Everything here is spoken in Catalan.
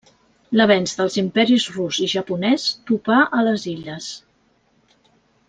L'avenç dels imperis rus i japonès topà a les illes.